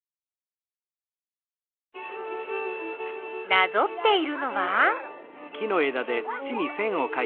なぞっているのは。